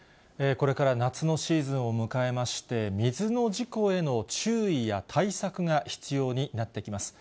これから夏のシーズンを迎えまして、水の事故への注意や対策が必要になってきます。